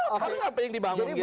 harus apa yang dibangun kira kira